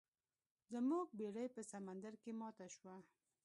زموږ بیړۍ په سمندر کې ماته شوه.